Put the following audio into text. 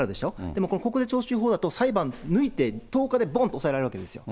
でも国税徴収法だと、裁判抜いて１０日でぼんと押さえられるわけですよ。